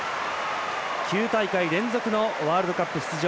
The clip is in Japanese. ９大会連続のワールドカップ出場。